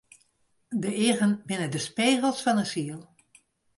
De eagen binne de spegels fan 'e siel.